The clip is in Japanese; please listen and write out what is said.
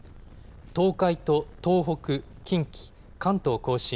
東海と東北近畿、関東甲信